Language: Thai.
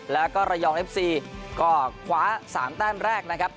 แล้วก็ระยองเอฟซีก็คว้า๓แต้มแรกนะครับ